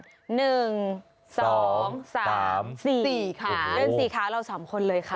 เดินสี่ขาเราสามคนเลยค่ะ